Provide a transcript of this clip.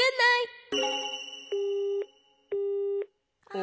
あ。